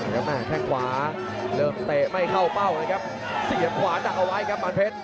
กลับมาแรกขวาเริ่มเตะไม่เข้าเป้าเลยครับ